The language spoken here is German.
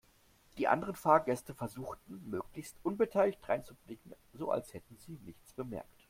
Die anderen Fahrgäste versuchten möglichst unbeteiligt dreinzublicken, so als hätten sie nichts bemerkt.